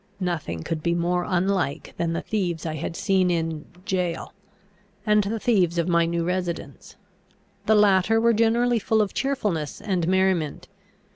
Nothing could be more unlike than the thieves I had seen in jail, and the thieves of my new residence. The latter were generally full of cheerfulness and merriment.